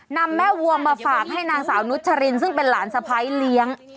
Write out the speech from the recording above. นำแม่วัวมาฝากให้นางสาวนุชรินซึ่งเป็นหลานสะพ้ายเลี้ยง